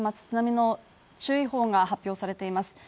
津波の注意報が発表されています。